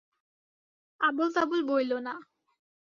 আবোল তাবোল বইল না।